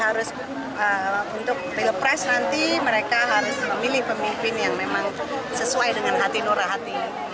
jadi untuk pilpres nanti mereka harus memilih pemimpin yang memang sesuai dengan hati nurah hati